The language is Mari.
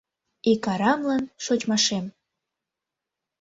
Ик арамлан шочмашем